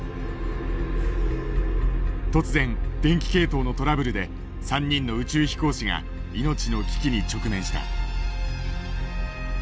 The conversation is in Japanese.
突然電気系統のトラブルで３人の宇宙飛行士が命の危機に直面した。